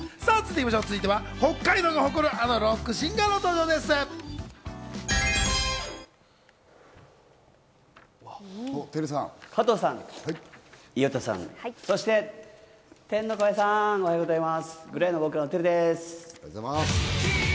続いては北海道が誇る、あのロックシンガーの登場でございます！